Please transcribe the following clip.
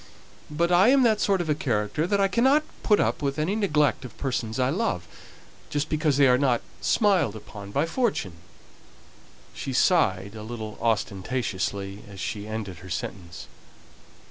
But I am that sort of a character that I cannot put up with any neglect of persons I love, just because they are not smiled upon by fortune." She sighed a little ostentatiously as she ended her sentence.